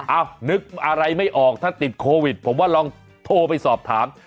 นึกอะไรไม่ออกถ้าติดโควิดผมว่าลองโทรไปสอบถาม